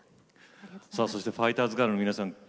さあそしてファイターズガールの皆さん